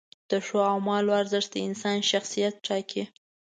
د ښو اعمالو ارزښت د انسان شخصیت ټاکي.